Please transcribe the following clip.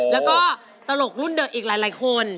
แล้วก็ตลกรุ่นเด็กอีกหลายคน